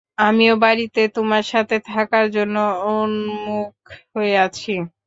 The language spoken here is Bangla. আমিও বাড়িতে তোমার সাথে থাকার জন্য উন্মুখ হয়ে আছি।